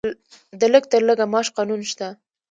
د لږ تر لږه معاش قانون شته؟